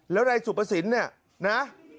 แล้วใดสุปสินเนี่ยนะ